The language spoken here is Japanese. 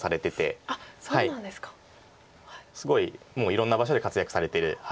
すごいもういろんな場所で活躍されてる。